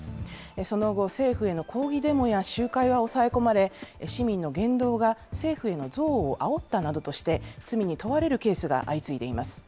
その後、政府への抗議デモや集会は抑え込まれ、市民の言動が政府への憎悪をあおったなどとして、罪に問われるケースが相次いでいます。